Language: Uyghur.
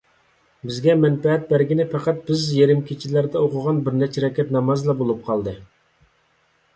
بىزگە مەنپەئەت بەرگىنى پەقەت بىز يېرىم كېچىلەردە ئوقۇغان بىر نەچچە رەكەت نامازلا بولۇپ قالدى.